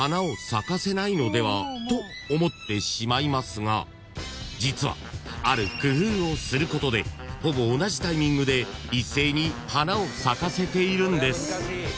［と思ってしまいますが実はある工夫をすることでほぼ同じタイミングで一斉に花を咲かせているんです］